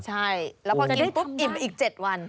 ใช่แล้วพอกินปุ๊บอิ่มอีก๗วัน